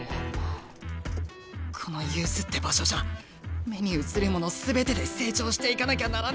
このユースって場所じゃ目に映るもの全てで成長していかなきゃならねえはずなのに。